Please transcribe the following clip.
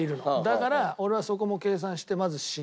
だから俺はそこも計算してまずＣ。